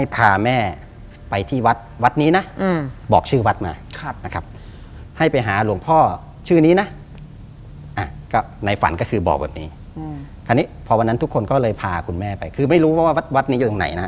คราวนี้พอวันนั้นทุกคนก็เลยพาคุณแม่ไปคือไม่รู้ว่าวัดนี้อยู่ตรงไหนนะ